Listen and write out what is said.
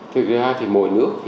thực ra thì mỗi nước